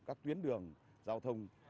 các tuyến đường giao thông